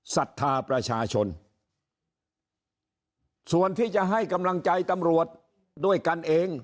ศรัทธาประชาชนส่วนที่จะให้กำลังใจตำรวจด้วยกันเอง